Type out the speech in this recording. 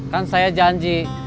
kan saya janji